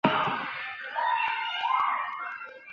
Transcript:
达乌里黄耆为豆科黄芪属的植物。